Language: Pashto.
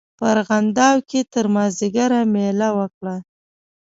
په ارغنداو کې تر مازیګره مېله وکړه.